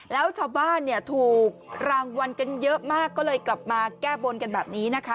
แล้วชาวบ้านเนี่ยถูกรางวัลกันเยอะมากก็เลยกลับมาแก้บนกันแบบนี้นะคะ